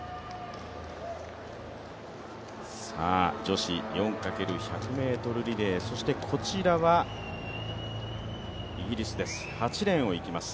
女子４×１００ｍリレー、そしてこちらはイギリスです、８レーンを行きます。